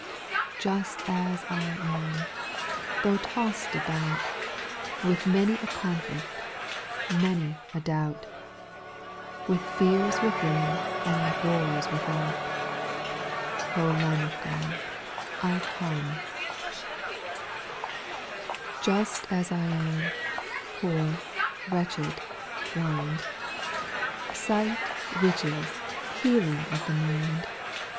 Just as I am, — though tossed about With many a conflict, many a doubt, With fears within and wars without — O Lamb o£ QroOi^l Q.Qixsi^\ 3 26 SPIRITUAL SONGS, 4, Just as I am, — poor, wretched, blind, — Sight, riches, healing of the mind.